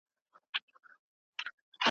د طلاق ډولونه کوم دي؟